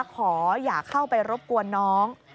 ขออย่าเข้าไปรบกวนน้อง